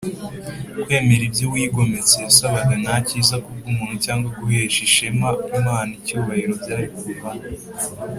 . Kwemera ibyo uwigometse yasabaga, nta cyiza kubw’umuntu cyangwa guhesha Imana icyubahiro byari kuvamo